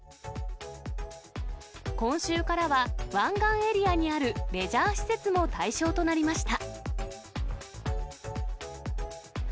今週からは、湾岸エリアにあるレジャー施設も対象となりました。